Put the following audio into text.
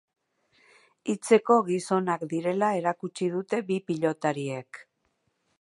Hitzeko gizonak direla erakutsi dute bi pilotariek.